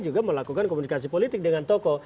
juga melakukan komunikasi politik dengan tokoh